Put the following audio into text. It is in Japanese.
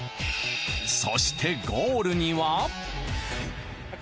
そしてゴールには。